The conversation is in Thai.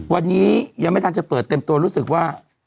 วันนี้ยังไม่ทันจะเปิดเต็มตัวรู้สึกว่า